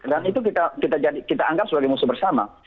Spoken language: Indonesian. dan itu kita anggap sebagai musuh bersama